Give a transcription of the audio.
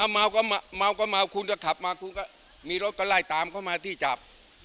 เมาก็ม่ากันคุณและขับมาคุณก็มีรถรไล่ตามเขาก็มาที่จับ